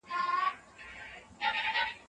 بې ننګي تل ذلت زېږوي